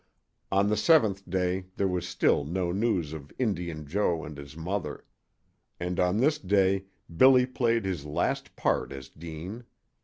On the seventh day there was still no news of Indian Joe and his mother. And on this day Billy played his last part as Deane.